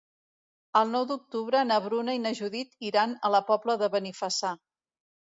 El nou d'octubre na Bruna i na Judit iran a la Pobla de Benifassà.